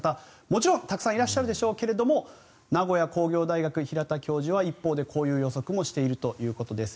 もちろんたくさんいらっしゃるでしょうが名古屋工業大学、平田教授は一方でこういう予測もしているということです。